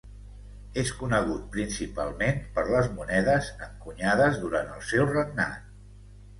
És conegut principalment per les monedes encunyades durant el seu regnat.